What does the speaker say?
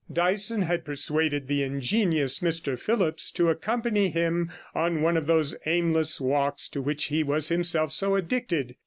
Dyson had persuaded the ingenious Mr Phillipps to accompany him on one of those aimless walks to which he was himself so addicted.